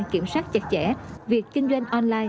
kiểm soát chặt chẽ việc kinh doanh online và ứng dụng nghiêm